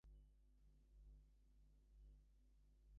He was stationed at Middelburg, in the Low Countries, where he died.